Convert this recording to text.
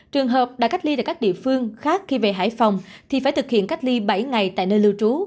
trường hợp đã cách ly tại các địa phương khác khi về hải phòng thì phải thực hiện cách ly bảy ngày tại nơi lưu trú